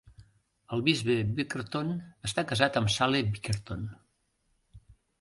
El bisbe Bickerton està casat amb Sally Bickerton.